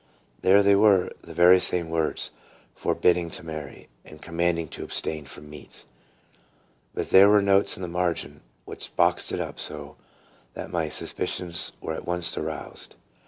There they were, the very same words, "forbidding to marry," and "com manding to abstain from meats." But there were notes in the margin, which boxed it up so, that my suspicions were at once aroused.